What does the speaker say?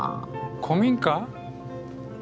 古民家？